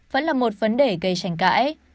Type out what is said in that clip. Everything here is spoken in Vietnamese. vẫn là một vấn đề gây tranh cãi